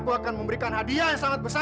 aku akan memberikan hadiah yang sangat besar